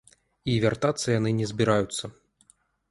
І вяртацца яны не збіраюцца.